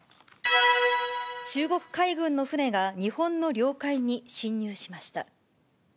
中国海軍の船が日本の領海に侵入しました。